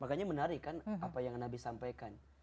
makanya menarik kan apa yang nabi sampaikan